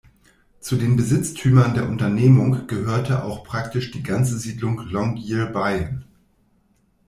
Zu den Besitztümern der Unternehmung gehörte auch praktisch die ganze Siedlung Longyearbyen.